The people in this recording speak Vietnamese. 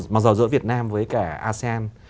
mặc dù giữa việt nam với cả asean